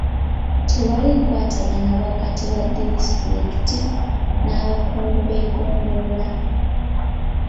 Tewali nkwatagana wakati wa disitulikiti n'abakungu b'eggombolola.